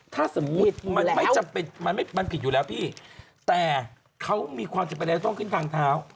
ผิดอยู่แล้วมันผิดอยู่แล้วพี่แต่เขามีความจะเป็นอะไรต้องขึ้นทางเท้า